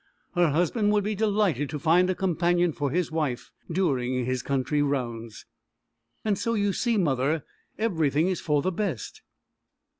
Her husband would be delighted to find a companion for his wife during his country rounds. "So you see, mother, everything is for the best."